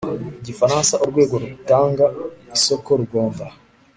Gifaransa urwego rutanga isoko rugomba